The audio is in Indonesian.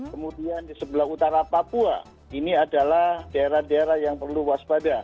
kemudian di sebelah utara papua ini adalah daerah daerah yang perlu waspada